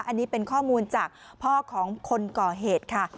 อันนี้เป็นข้อมูลจากพ่อของคนก่อเหตุค่ะ